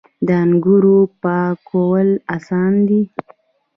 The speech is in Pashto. د انګورو پاکول اسانه دي.